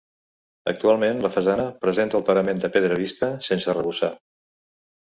Actualment la façana presenta el parament de pedra vista, sense arrebossar.